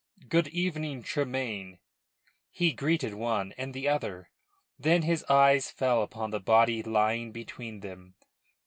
Good evening, Tremayne," he greeted one and the other. Then his eyes fell upon the body lying between them.